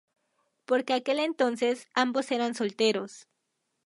Por aquel entonces, ambos eran solteros.